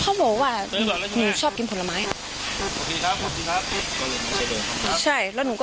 เพราะอาเองก็ดูข่าวน้องชมพู่